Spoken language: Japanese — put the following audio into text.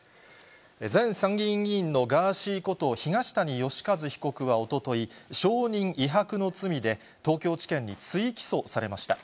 前参議院議員のガーシーこと東谷義和被告はおととい、証人威迫の罪で東京地検に追起訴されました。